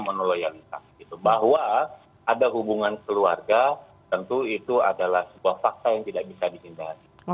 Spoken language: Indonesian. ternyata menurut saya itu adalah sebuah fakta yang tidak bisa dihindari